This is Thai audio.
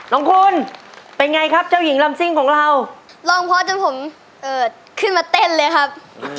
น้องคุณเป็นไงครับเจ้าหญิงลำซิ่งของเราร้องเพราะจนผมขึ้นมาเต้นเลยครับ